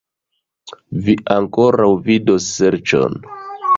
Vi ankoraŭ vidos ŝercon!